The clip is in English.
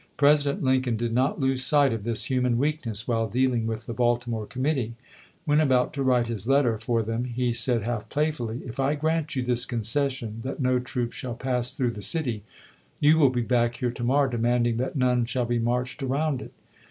President Lincoln did not lose sight of this human weakness while dealing with the Baltimore committee. When about to write his letter for them, he said half playfully, " If I grant you this concession, that no troops shall pass through the city, you will be back here to morrow demanding that none shall be marched around it."